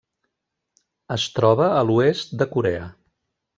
Es troba a l'oest de Corea.